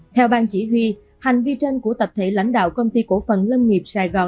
theo bang chỉ huy hành vi trên của tập thể lãnh đạo công ty cổ phần lâm nghiệp sài gòn